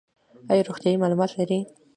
ایا روغتیایی معلومات لرئ؟